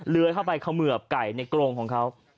เลื้อเข้าไปเขมือบไก่ในโกงของเขา